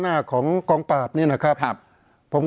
เพราะฉะนั้นประชาธิปไตยเนี่ยคือการยอมรับความเห็นที่แตกต่าง